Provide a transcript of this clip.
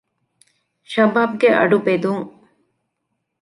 ޝަބާބްގެ އަޑު ބެދުން